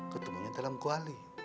ketemunya dalam kuali